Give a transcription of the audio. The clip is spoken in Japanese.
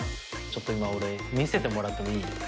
ちょっと今俺見せてもらってもいい？